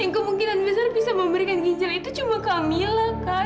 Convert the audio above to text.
yang kemungkinan besar bisa memberikan ginjal itu cuma camilla kan